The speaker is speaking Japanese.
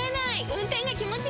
運転が気持ちいい！